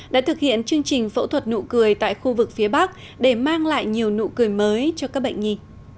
đã thực hiện chương trình phẫu thuật nụ cười tại khu vực phía bắc để mang lại nhiều nụ cười mới cho các bệnh nhi